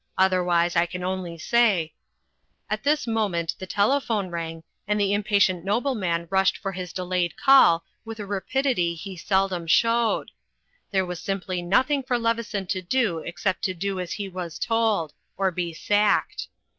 Otherwise, I can only say " At this moment the telephone rang, and the im patient nobleman rushed for his delayed call with a rapidity he seldom showed. There was simply nothing for Leveson to do except to do as he was told, or be sacked.